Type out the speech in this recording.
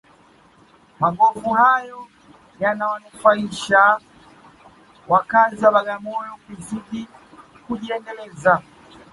magofu hayo yanawanufaisha wakazi wa bagamoyo kuzidi kujiendeleza